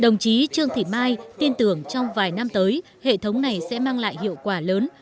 đồng chí trương thị mai tin tưởng trong vài năm tới hệ thống này sẽ mang lại hiệu quả lớn